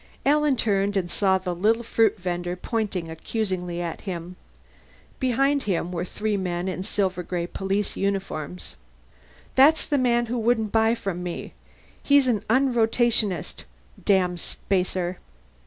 Alan turned and saw the little fruit vender pointing accusingly at him. Behind him were three men in the silver gray police uniforms. "That's the man who wouldn't buy from me. He's an unrotationist! Damn Spacer!"